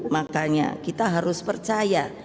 makanya kita harus percaya